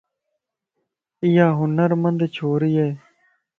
ايا ھنر مند ڇوري ائي.